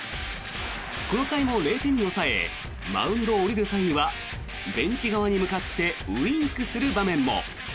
この回も０点に抑えマウンドを降りる際にはベンチ側に向かってウィンクする場面も。